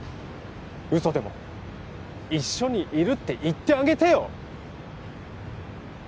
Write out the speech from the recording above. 嘘でも一緒にいるって言ってあげてよ